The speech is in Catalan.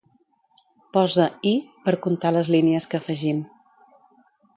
Posa "i" per contar les línies que afegim.